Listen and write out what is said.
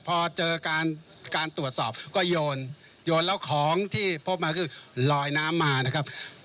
พอเจอการการตรวจสอบก็โยนโยนแล้วของที่พบมาคือลอยน้ำมานะครับ